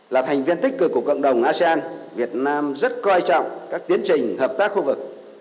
là thành viên tích cực của cộng đồng asean việt nam rất coi trọng các tiến trình hợp tác khu vực